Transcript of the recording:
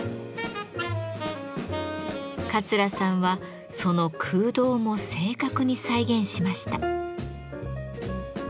桂さんはその空洞も正確に再現しました。